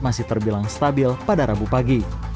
masih terbilang stabil pada rabu pagi